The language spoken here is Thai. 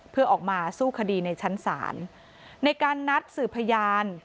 เพื่อออกมาสู้คดีในชั้นศาลในการนัดสืบพยาน